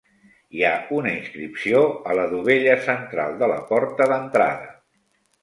Hi ha una inscripció a la dovella central de la porta d'entrada.